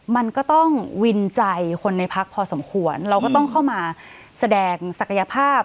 มันก็ต้องวินใจคนในพักพอสมควรเราก็ต้องเข้ามาแสดงศักยภาพ